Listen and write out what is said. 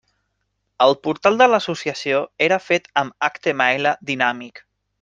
El portal de l'Associació era fet amb HTML dinàmic.